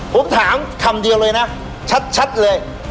ผมถามคำเดียวเลยนะชัดเลย